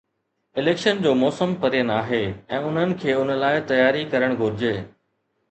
Election جو موسم پري ناهي ۽ انهن کي ان لاءِ تياري ڪرڻ گهرجي.